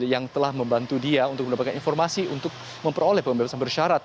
yang telah membantu dia untuk mendapatkan informasi untuk memperoleh pembebasan bersyarat